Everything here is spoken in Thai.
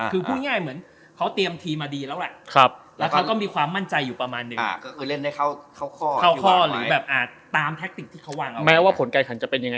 คือเพียงง่ายเหมือนเค้าเตรียมทีมาดีแล้วแหละแล้วเค้าก็มีความมั่นใจอยู่ประมาณนึง